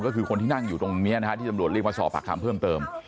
ก็คือคนที่นั่งอยู่ตรงเนี่ยที่สำรวจเรียนฯมาสอบหักคามเพิ่มเติม